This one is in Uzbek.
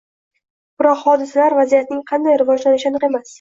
Biroq hodisalar, vaziyatning qanday rivojlanishi aniq emas